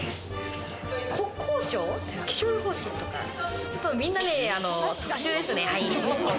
国交省、気象予報士とか、みんな、ちょっと特殊ですね。